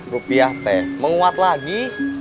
rupiah teh menguat lagi